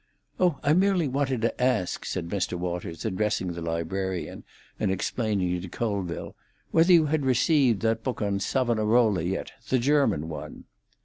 "Oh, I merely wanted to ask," said Mr. Waters, addressing the librarian, and explaining to Colville, "whether you had received that book on Savonarola yet. The German one."